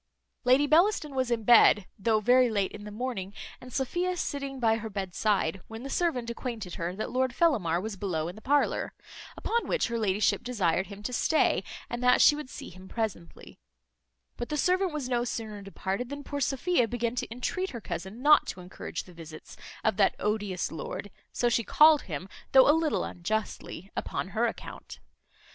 Lady Bellaston was in bed, though very late in the morning, and Sophia sitting by her bed side, when the servant acquainted her that Lord Fellamar was below in the parlour; upon which her ladyship desired him to stay, and that she would see him presently; but the servant was no sooner departed than poor Sophia began to intreat her cousin not to encourage the visits of that odious lord (so she called him, though a little unjustly) upon her account.